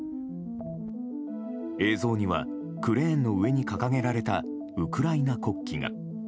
映像にはクレーンの上に掲げられたウクライナ国旗が。